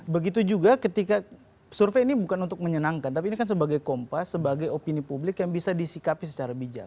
begitu juga ketika survei ini bukan untuk menyenangkan tapi ini kan sebagai kompas sebagai opini publik yang bisa disikapi secara bijak